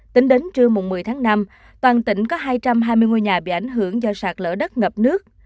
tính đến trưa một mươi tháng năm toàn tỉnh có hai trăm hai mươi ngôi nhà bị ảnh hưởng do sạt lỡ đất ngập nước